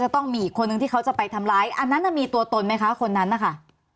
ต้องมีอีกคนนึงที่เขาจะไปทำร้ายอันนั้นมีตัวตนไหมคะคนนั้นนะคะ